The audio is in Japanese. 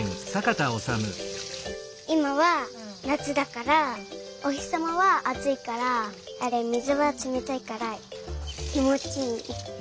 いまはなつだからおひさまはあついから水がつめたいからきもちいい。